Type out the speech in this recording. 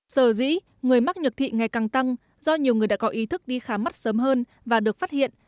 sở dĩ người mắc nhược thị ngày càng tăng do nhiều người đã có ý thức đi khám mắt sớm hơn và được phát hiện